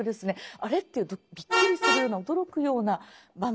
あれっていうびっくりするような驚くような場面。